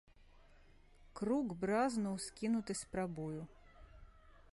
Крук бразнуў, скінуты з прабою.